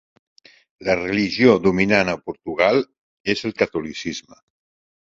La religió dominant a Portugal és el catolicisme.